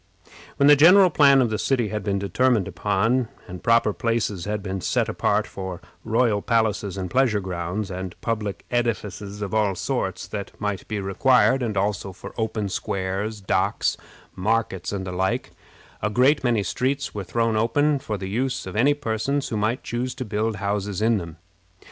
When the general plan of the city had been determined upon, and proper places had been set apart for royal palaces and pleasure grounds, and public edifices of all sorts that might be required, and also for open squares, docks, markets, and the like, a great many streets were thrown open for the use of any persons who might choose to build houses in them.